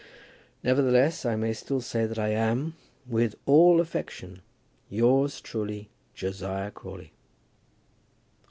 Nevertheless, I may still say that I am, With all affection, yours truly, JOSIAH CRAWLEY.